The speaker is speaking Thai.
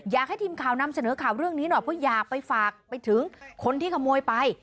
อยากให้ทีมข่าวนำเสนอข่าวเรื่องนี้หน่อยเพราะอยากไปฝากไปถึงคนที่ขโมยไป